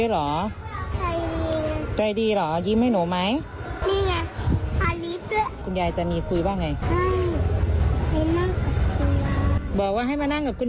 ล้องมันเป็นสองบันบาทมีสี่ชีวิตแล้วเขาเอาจากมาดีแบบนี้